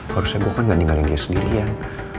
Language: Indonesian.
harusnya ibu kan gak ninggalin dia sendirian